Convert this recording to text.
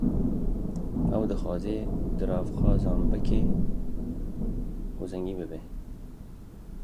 Ew dixwaze dirav qazan bike û zengîn bibe